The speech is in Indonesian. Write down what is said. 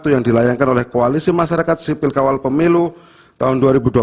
yang dilayangkan oleh koalisi masyarakat sipil kawal pemilu tahun dua ribu dua puluh